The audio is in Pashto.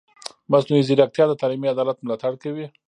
مصنوعي ځیرکتیا د تعلیمي عدالت ملاتړ کوي.